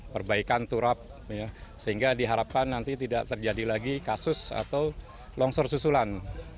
perbaikan turap sehingga diharapkan nanti tidak terjadi lagi kasus atau longsor susulan